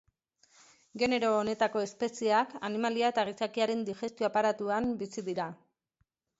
Genero honetako espezieak animalia eta gizakiaren digestio-aparatuan bizi dira.